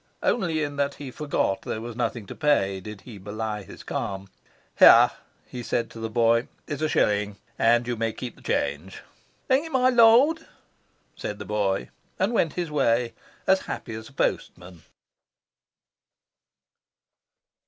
Only in that he forgot there was nothing to pay did he belie his calm. "Here," he said to the boy, "is a shilling; and you may keep the change." "Thank you, my Lord," said the boy, and went his way, as happy as a postman.